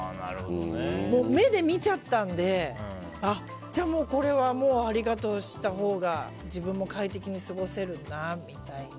目で見ちゃったのでじゃあ、これはありがとうしたほうが自分も快適に過ごせるなみたいな。